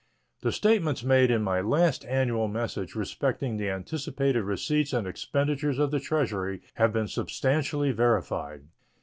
The statements made in my last annual message respecting the anticipated receipts and expenditures of the Treasury have been substantially verified.